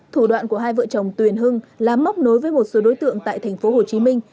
thủ đoạn của hai vợ chồng tuyền hưng là móc nối với một số đối tượng tại thành phố hồ chí minh